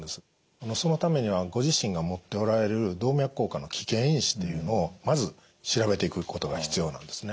そのためにはご自身が持っておられる動脈硬化の危険因子っていうのをまず調べていくことが必要なんですね。